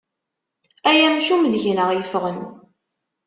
Ay amcum deg-neɣ yeffɣen.